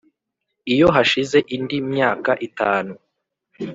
Iyo hashize indi myaka itanu